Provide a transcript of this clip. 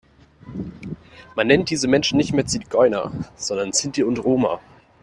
Man nennt diese Menschen nicht mehr Zigeuner, sondern Sinti und Roma.